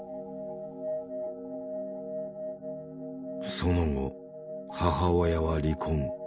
その後母親は離婚。